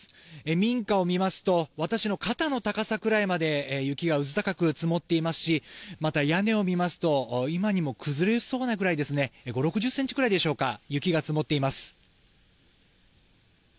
民家を見ますと私の肩の高さくらいまで雪がうず高く積もっていますしまた、屋根を見ますと今にも崩れそうなくらい５０６０ｃｍくらいでしょうか雪が積もっています。